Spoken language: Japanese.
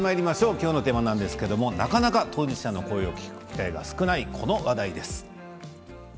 今日のテーマなかなか当事者の声を聞く機会の少ないこの話題です。